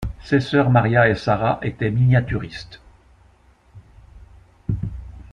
Ses soeurs Maria et Sarah étaient miniaturistes.